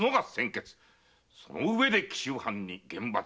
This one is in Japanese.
そのうえで紀州藩に厳罰を。